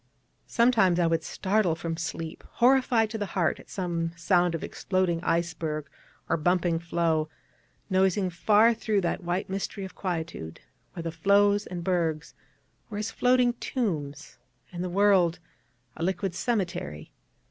Sometimes I would startle from sleep, horrified to the heart at some sound of exploding iceberg, or bumping floe, noising far through that white mystery of quietude, where the floes and bergs were as floating tombs, and the world a liquid cemetery.